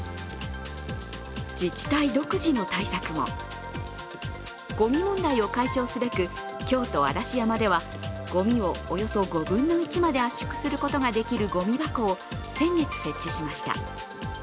自治体独自の対策も、ごみ問題を解消すべく京都・嵐山ではごみをおよそ５分の１まで圧縮することができるごみ箱を先月設置しました。